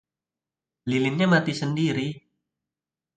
Lilinnya mati sendiri.